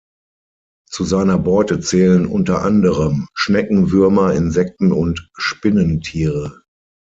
Zu seiner Beute zählen unter anderem Schnecken, Würmer, Insekten und Spinnentiere.